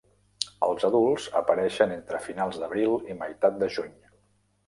Els adults apareixen entre finals d'abril i meitat de juny.